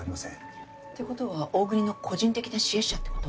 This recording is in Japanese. って事は大國の個人的な支援者って事？